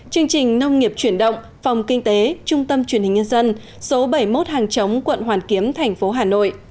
chương trình nông nghiệp chuyển động phòng kinh tế trung tâm truyền hình nhân dân số bảy mươi một hàng chống quận hoàn kiếm thành phố hà nội